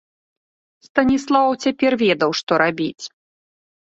Станіслаў цяпер ведаў, што рабіць.